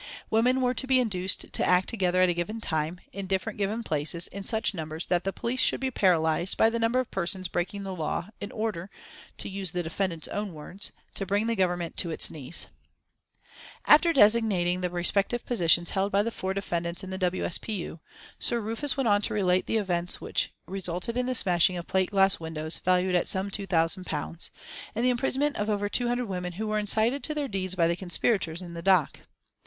Women were to be induced to act together at a given time, in different given places, in such numbers that the police should be paralysed by the number of persons breaking the law, in order, to use the defendant's own words, "to bring the Government to its knees." After designating the respective positions held by the four defendants in the W. S. P. U., Sir Rufus went on to relate the events which resulted in the smashing of plate glass windows valued at some two thousand pounds, and the imprisonment of over two hundred women who were incited to their deeds by the conspirators in the dock.